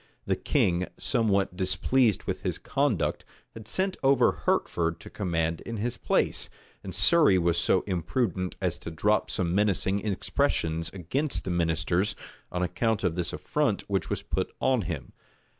The king, somewhat displeased with his conduct, had sent over Hertford to command in his place; and Surrey was so imprudent as to drop some menacing expressions against the ministers, on account of this affront which was put upon him.